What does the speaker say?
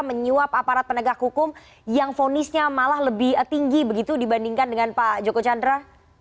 menyuap aparat penegak hukum yang fonisnya malah lebih tinggi begitu dibandingkan dengan pak joko chandra